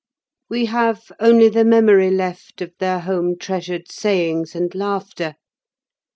We have only the memory left of their home treasured sayings and laughter.